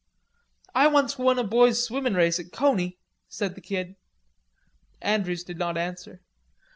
"I once won a boy's swimmin' race at Coney," said the Kid. Andrews did not answer.